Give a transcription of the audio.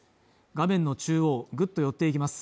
画面の中央ぐっと寄っていきます